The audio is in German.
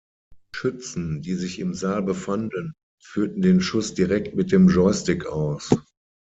Schützen, die sich im Saal befanden, führten den Schuss direkt mit dem Joystick aus.